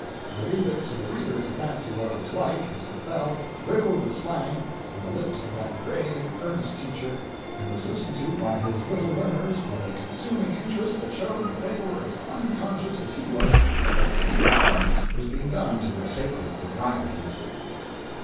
I leave it to the reader to fancy what it was like, as it fell, riddled with slang, from the lips of that grave, earnest teacher, and was listened to by his little learners with a consuming interest that showed that they were as unconscious as he was that any violence was being done to the sacred proprieties!